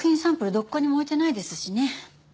どこにも置いてないですしね。